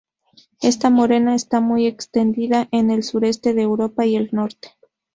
Esta morena está muy extendida en el sureste de Europa y el norte.